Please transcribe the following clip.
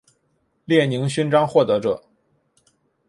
列宁勋章获得者。